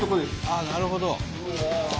ああなるほど。